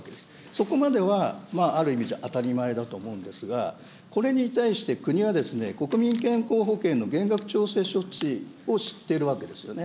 そこまでは、ある意味じゃ当たり前だと思うんですが、これに対して国は、国民健康保険の減額調整措置をしているわけですよね。